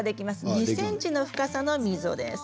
２ｃｍの深さの溝です。